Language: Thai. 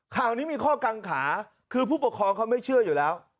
ข่าวนี้มีข้อกังขาคือผู้ปกครองเขาไม่เชื่ออยู่แล้ว